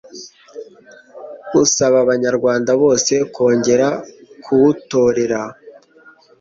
usaba abanyarwanda bose kongera kuwutorera